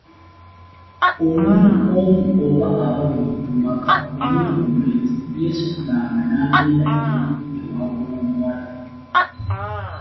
Omuntu omu oba babiri mu maka omuli omulenzi yeesitulanga n'agenda eri ewaabwe w'omuwala.